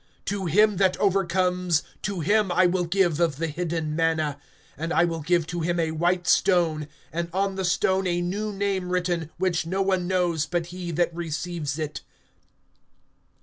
To him that overcomes, to him I will give of the hidden manna; and I will give to him a white stone, and on the stone a new name written, which no one knows but he that receives it.